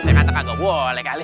saya ngantuk nggak boleh kali